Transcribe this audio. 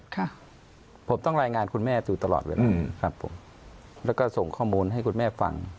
ค่ะผมต้องรายงานคุณแม่อยู่ตลอดเวลาครับผมแล้วก็ส่งข้อมูลให้คุณแม่ฟัง